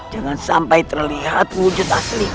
jangan sampai terlihat wujud asli